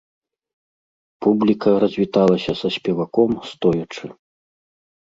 Публіка развітвалася са спеваком стоячы.